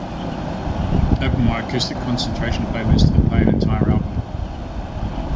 Open my acoustic concentration playlist and play an entire album